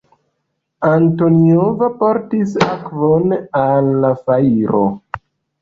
Antoniova portis akvon al la fajro.